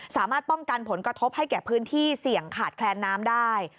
สามารถป้องกันผลกระทบให้แก่พื้นที่เสี่ยงขาดแคลนน้ำได้